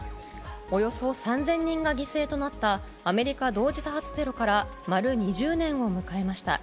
およそ３０００人が犠牲となったアメリカ同時多発テロから丸２０年を迎えました。